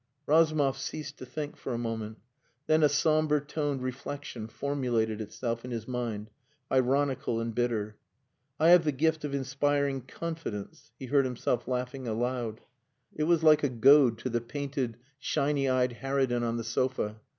Razumov ceased to think for a moment. Then a sombre toned reflection formulated itself in his mind, ironical and bitter. "I have the gift of inspiring confidence." He heard himself laughing aloud. It was like a goad to the painted, shiny eyed harridan on the sofa.